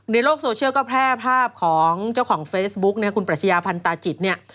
ในโลกโซเชียลก็แพร่ภาพของเจ้าของเฟซบุ๊กคุณประชัยาภัณฑ์ตาจิตเนี่ย